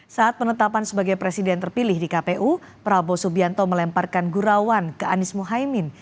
saat penetapan sebagai presiden terpilih di kpu prabowo subianto melemparkan gurawan ke anies muhaymin